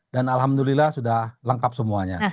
dan alhamdulillah sudah lengkap semuanya